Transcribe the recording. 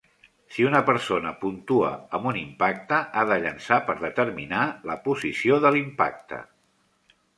Si una persona puntua amb un impacte, ha de llençar per determinar la posició de l"impacte.